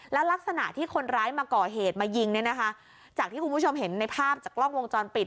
แล้วลักษณะที่คนร้ายมาก่อเหตุมายิงเนี่ยนะคะจากที่คุณผู้ชมเห็นในภาพจากกล้องวงจรปิด